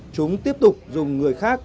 chúng tiếp tục dùng người khác